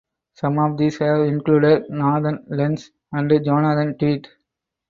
Some of these have included Nathan Lents and Jonathan Tweet.